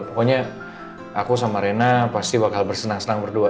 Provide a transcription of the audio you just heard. pokoknya aku sama rena pasti bakal bersenang senang berdua